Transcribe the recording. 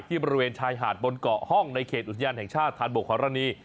บริเวณชายหาดบนเกาะห้องในเขตอุทยานแห่งชาติธานบกฮรณี